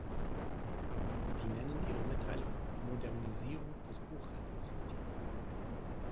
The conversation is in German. Sie nennen Ihre Mitteilung "Modernisierung des Buchhaltungssystems".